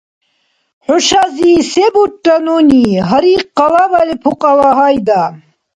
ХӀушази се бурра нуни, гьари къалабали, пукьала, гьайда!!